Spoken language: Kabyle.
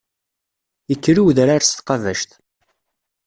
Ikker i udrar s tqabact.